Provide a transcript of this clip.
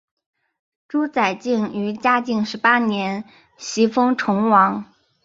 朱载境于嘉靖十八年袭封崇王。